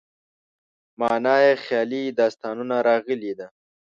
معنا یې خیالي داستانونه راغلې ده.